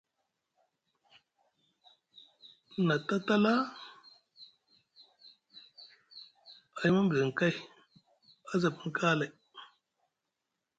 Nʼa tatala a yima midini kay, a za pini kaalay.